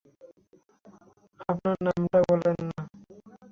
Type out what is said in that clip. আপনার নামটা বললেন না।